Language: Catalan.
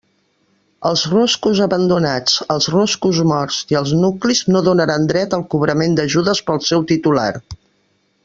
Els ruscos abandonats, els ruscos morts i els nuclis no donaran dret al cobrament d'ajudes pel seu titular.